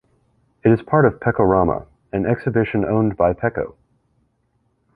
It is part of Pecorama, an exhibition owned by Peco.